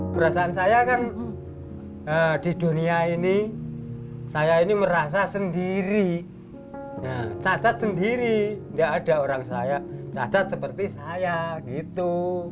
perasaan saya kan di dunia ini saya ini merasa sendiri cacat sendiri nggak ada orang saya cacat seperti saya gitu